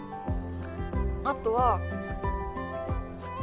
あとはた